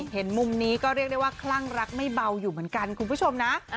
เห็นมุมนี้ก็เรียกได้ว่าคลั่งรักไม่เบาอยู่เหมือนกันคุณผู้ชมนะ